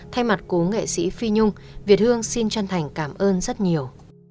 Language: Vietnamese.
thay mặt cố nghệ sĩ phi nhung việt hương xin chân thành cảm ơn rất nhiều